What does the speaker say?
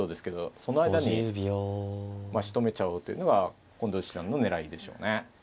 その間にしとめちゃおうというのが近藤七段の狙いでしょうね。